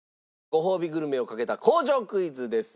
ごほうびグルメをかけた工場クイズです。